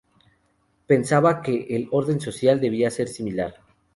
Pensaba que el orden social debía ser similar.